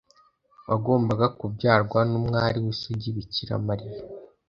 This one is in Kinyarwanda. wagombaga kubyarwa n‟umwari w‟isugi Bikira Mariya.